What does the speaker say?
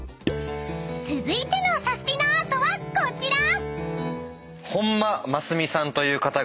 ［続いてのサスティナアートはこちら！］